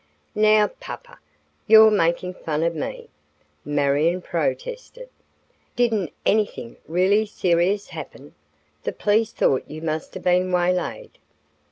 "Now, papa, you're making fun of me," Marion protested. "Didn't anything really serious happen? The police thought you must have been waylaid."